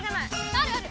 あるある。